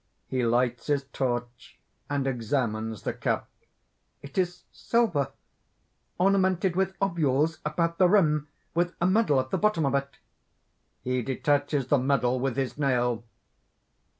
(He lights his torch, and examines the cup.) "It is silver, ornamented with ovules about the rim, with a medal at the bottom of it." (_He detaches the medal with his nail!